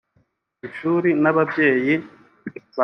Ishuri n’ababyeyi